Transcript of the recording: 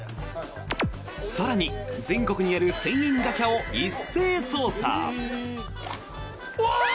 更に、全国にある１０００円ガチャを一斉捜査！